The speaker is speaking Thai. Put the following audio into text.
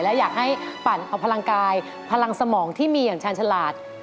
และอยากให้ปั่นเอาพลังกายพลังสมองที่มีอย่างชาญฉลาด